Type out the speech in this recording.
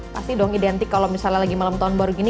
pasti dong identik kalau misalnya lagi malam tahun baru gini